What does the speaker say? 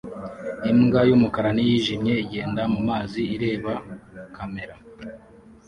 Imbwa y'umukara n'iyijimye igenda mu mazi ireba kamera